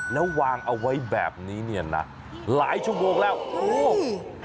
แล้ววางเอาไว้แบบนี้เนี่ยนะหลายชั่วโมงแล้วโอ้